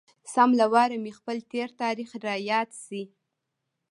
سم له واره مې خپل تېر تاريخ را یاد شي.